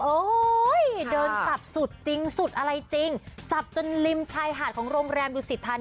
เอาโยยเดินสรรพสุดจริงสุดอะไรจริงสรรพจนริมชายหาดของโรงแรมดูสิทธา